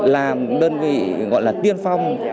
làm đơn vị gọi là tiên phong